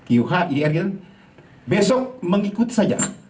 iuh ir besok mengikuti saja